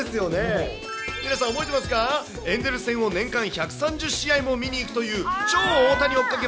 皆さん、覚えてますか、エンゼルス戦を年間１３０試合も見に行くという、超大谷追っかけ